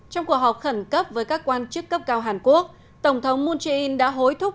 trong cuộc họp khẩn cấp với các quan chức cấp cao hàn quốc tổng thống moon jae in đã hối thúc